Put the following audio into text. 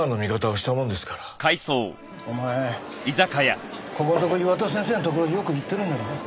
お前ここんとこ岩田先生のところによく行ってるんだろ？